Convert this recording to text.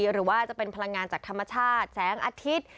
หรือว่าจะเป็นพลังงานจากธรรมชาติแสงอาทิตย์